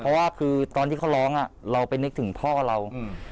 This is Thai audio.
เพราะว่าคือตอนที่เขาร้องอ่ะเราไปนึกถึงพ่อเราอืม